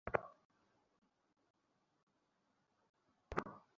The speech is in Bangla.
সেমিনারে প্রধান অতিথি ছিলেন নীলফামারীর অতিরিক্ত পুলিশ সুপার আবু মারুফ হোসেন।